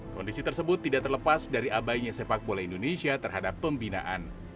kondisi tersebut tidak terlepas dari abainya sepak bola indonesia terhadap pembinaan